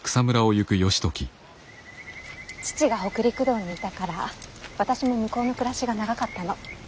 父が北陸道にいたから私も向こうの暮らしが長かったの。